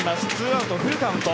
２アウト、フルカウント。